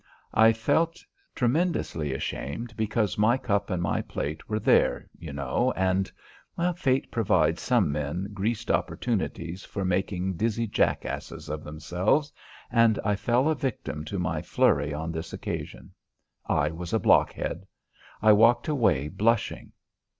I felt tremendously ashamed because my cup and my plate were there, you know, and Fate provides some men greased opportunities for making dizzy jackasses of themselves and I fell a victim to my flurry on this occasion. I was a blockhead. I walked away blushing.